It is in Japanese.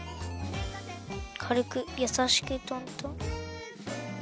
かるくやさしくトントン。